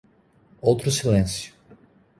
Outro silêncio